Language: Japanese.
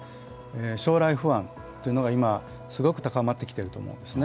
将来不安というのが今すごく高まってきていると思うんですね。